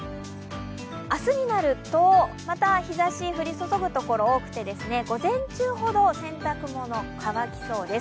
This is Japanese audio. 明日になると、また日ざし降り注ぐところ多くて午前中ほど洗濯物、乾きそうです。